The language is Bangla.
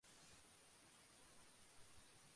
ব্যস্ত তো আমিও ছিলাম, পাপা।